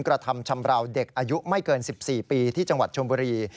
กระทำชำราวเด็กอายุไม่เกิน๑๔ปีที่จังหวัดชมบุรี